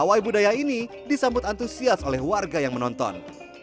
pawai budaya ini disambut antusias oleh warga yang menonton